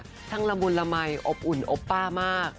ก็ช่างละบุลละไมอบอุ่นอบป้ามาก